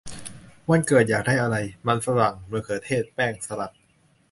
วันเกิดอยากได้อะไร ? : มันฝรั่ง มะเขือเทศ แป้ง สลัด !